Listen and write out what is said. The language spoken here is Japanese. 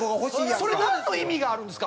それなんの意味があるんですか？